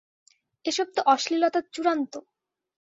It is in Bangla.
এসব তো অশ্লীলতার চূড়ান্ত।